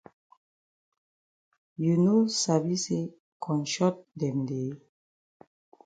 You no sabi say konshot dem dey?